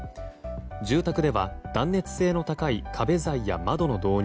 住宅では断熱性の高い壁材や窓の導入